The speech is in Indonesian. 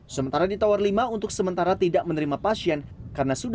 sementara di tower lima untuk sementara tidak menerima pasien